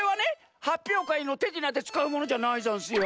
はっぴょうかいのてじなでつかうものじゃないざんすよ。